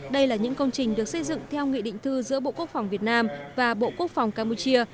đây là những công trình được xây dựng theo nghị định thư giữa bộ quốc phòng việt nam và bộ quốc phòng campuchia